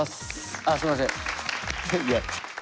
あっすんません。